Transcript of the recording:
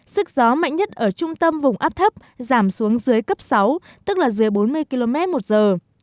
sức gió mạnh nhất ở trung tâm vùng áp thấp giảm xuống dưới cấp sáu tức là dưới bốn mươi km một giờ